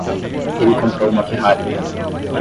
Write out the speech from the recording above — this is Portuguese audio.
Ele comprou uma Ferrari.